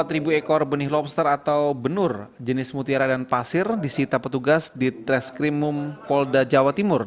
empat ribu ekor benih lobster atau benur jenis mutiara dan pasir disita petugas di treskrimum polda jawa timur